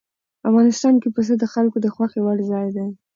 افغانستان کې پسه د خلکو د خوښې وړ ځای دی.